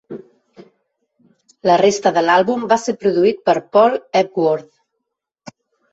La resta de l'àlbum va ser produït per Paul Epworth.